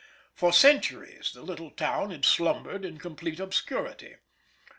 For centuries the little town had slumbered in complete obscurity.